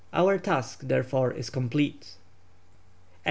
Our task therefore is complete. FINIS.